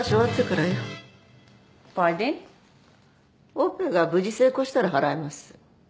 オペが無事成功したら払います。